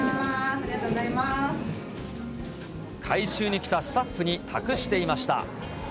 ありがとう回収に来たスタッフに託していました。